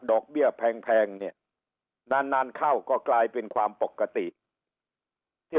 เบี้ยแพงเนี่ยนานนานเข้าก็กลายเป็นความปกติที่